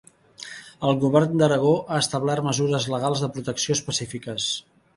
El govern d'Aragó ha establert mesures legals de protecció específiques.